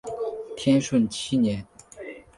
天顺七年。